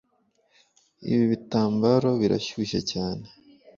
Ibi bitambaro birashyushye cyane